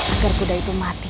agar kuda itu mati